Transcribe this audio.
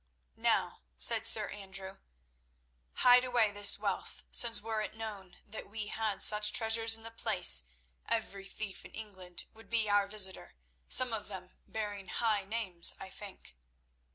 "Now," said Sir Andrew, "hide away this wealth, since were it known that we had such treasures in the place, every thief in England would be our visitor, some of them bearing high names, I think."